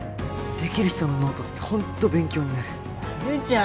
できる人のノートってホント勉強になるやるじゃん